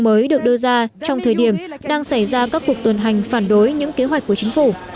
mới được đưa ra trong thời điểm đang xảy ra các cuộc tuần hành phản đối những kế hoạch của chính phủ